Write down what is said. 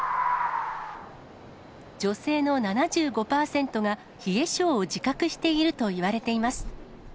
女性の７５％が冷え性を自覚しているといわれています。